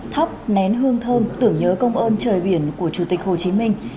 thắp nén hương thơm tưởng nhớ công ơn trời biển của chủ tịch hồ chí minh